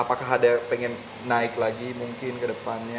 apakah ada pengen naik lagi mungkin ke depannya